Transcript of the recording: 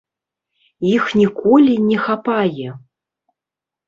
Іх ніколі не хапае.